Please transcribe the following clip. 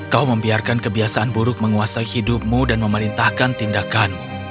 kau membiarkan kebiasaan buruk menguasai hidupmu dan memerintahkan tindakanmu